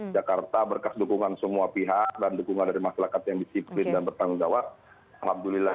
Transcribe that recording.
jakarta berkas dukungan semua pihak dan dukungan dari masyarakat yang disiplin dan bertanggung jawab alhamdulillah